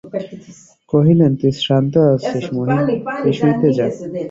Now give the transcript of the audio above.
কহিলেন, তুই শ্রান্ত আছিস মহিন, তুই শুইতে যা।